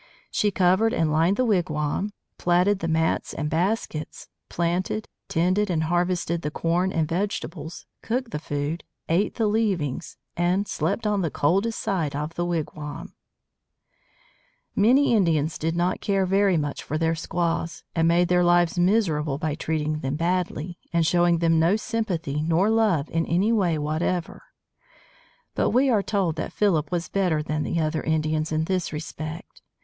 She covered and lined the wigwam, plaited the mats and baskets, planted, tended, and harvested the corn and vegetables, cooked the food, ate the leavings, and slept on the coldest side of the wigwam. [Illustration: SQUAWS AT WORK] Many Indians did not care very much for their squaws, and made their lives miserable by treating them badly, and showing them no sympathy nor love in any way whatever. But we are told that Philip was better than the other Indians in this respect.